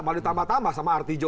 malah ditambah tambah sama arti jo